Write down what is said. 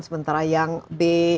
sementara yang b